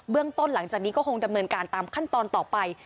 ต้นหลังจากนี้ก็คงดำเนินการตามขั้นตอนต่อไป